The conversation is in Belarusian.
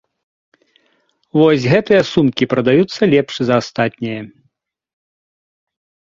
Вось гэтыя сумкі прадаюцца лепш за астатняе.